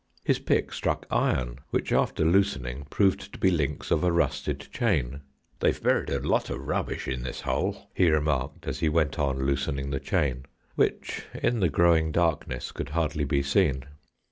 His pick struck iron, which, after loosening, proved to be links of a rusted chain. "They've buried a lot of rubbish in this hole," he remarked, as he went on loosening the chain, which, in the growing darkness, could hardly be seen.